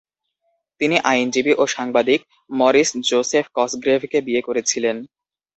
তিনি আইনজীবী ও সাংবাদিক মরিস জোসেফ কসগ্রেভকে বিয়ে করেছিলেন।